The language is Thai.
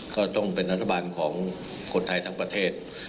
ก็ต้องเป็นรัฐบาลของคนไทยทั้งประเทศ